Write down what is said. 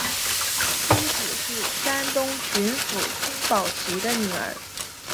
妻子是山东巡抚孙宝琦的女儿。